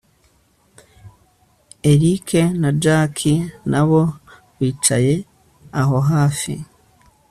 erick na jack nabo bicaye aho hafi